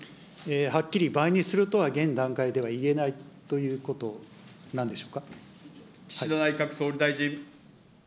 はっきり倍にするとは現段階では言えないということなんでし岸田内閣総理大臣。